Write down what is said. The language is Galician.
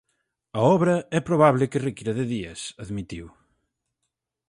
A obra é probábel que requira de días, admitiu.